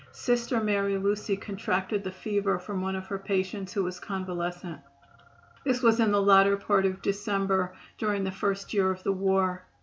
Sister Mary Lucy contracted the fever from one of her patients who was convalescent. This was in the latter part of December, during the first year of the war.